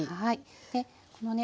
でこのね